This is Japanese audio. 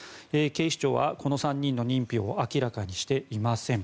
警視庁はこの３人の認否を明らかにしていません。